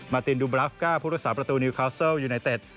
ตินดูบราฟก้าผู้รักษาประตูนิวคาวเซิลยูไนเต็ด